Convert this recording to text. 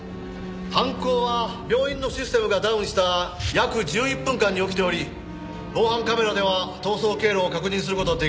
犯行は病院のシステムがダウンした約１１分間に起きており防犯カメラでは逃走経路を確認する事は出来ない。